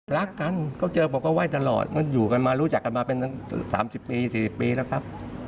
รักกันเขาเจอบอกว่าไห้ตลอดมันอยู่กันมารู้จักกันมาเป็น๓๐ปี๔๐ปีแล้วครับ